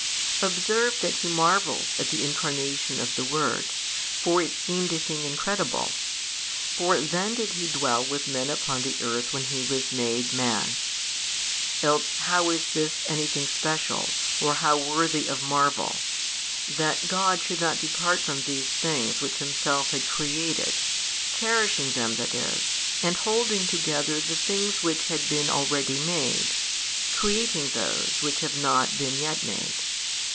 Observe that he marvels at the Incarnation of the Word, for it seemed a thing incredible: for then did He dwell with men upon the earth when He was made Man. Else how is this anything special or how worthy of marvel, that God should not depart from these things which Himself had created, cherishing them that is, and holding together the things which had been already made, creating those which have not been yet made?